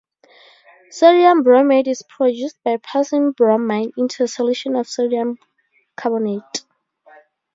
Sodium bromate is produced by passing bromine into a solution of sodium carbonate.